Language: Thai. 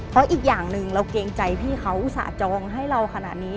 เพราะอีกอย่างหนึ่งเราเกรงใจพี่เขาอุตส่าห์จองให้เราขนาดนี้